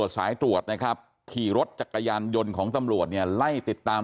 สายตรวจนะครับขี่รถจักรยานยนต์ของตำรวจเนี่ยไล่ติดตาม